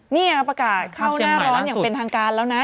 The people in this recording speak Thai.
นี่ประกาศเข้าหน้าร้อนอย่างเป็นทางการแล้วนะ